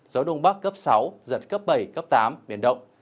gió đông bắc cấp sáu giật cấp bảy cấp tám biển động